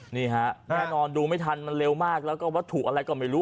นี่ฮะแน่นอนดูไม่ทันมันเร็วมากแล้วก็วัตถุอะไรก็ไม่รู้